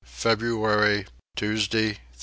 February. Tuesday 3.